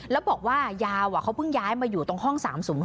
แล้วบอกว่ายาวเขาเพิ่งย้ายมาอยู่ตรงห้อง๓๐๖